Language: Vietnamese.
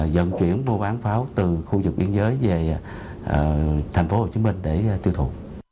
dần chuyển mua bán pháo từ khu vực biên giới về tp hcm để tiêu thụ